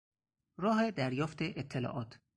راه دریافت اطلاعات